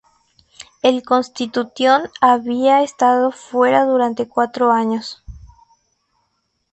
El Constitution había estado fuera durante cuatro años".